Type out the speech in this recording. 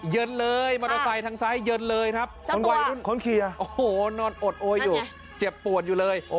เยินเลยมอเตอร์ไซค์ทางซ้ายเยินเลยครับโอ้โหนอนอดโอ้ยอยู่เจ็บปวดอยู่เลย